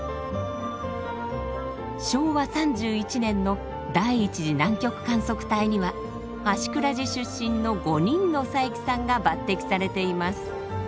昭和３１年の第１次南極観測隊には芦峅寺出身の５人の佐伯さんが抜擢されています。